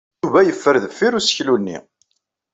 Yuba yeffer deffir useklu-nni.